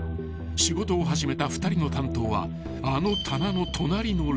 ［仕事を始めた２人の担当はあの棚の隣の列］